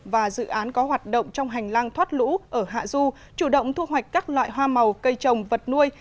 và dự án có hoạt động trong hành lang thoát lũ ở hạ du chủ động thu hoạch các loại hoa màu cây trồng vật nuôi